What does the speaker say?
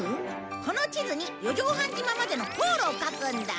この地図に四丈半島までの航路を書くんだ。